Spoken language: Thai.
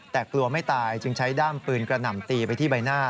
แต่กลัวไม่ตายจึงใช้ด้ามปืนกระหน่ำตีไปที่ใบหน้า